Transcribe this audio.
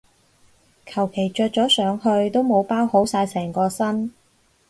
求其着咗上去都冇包好晒成個身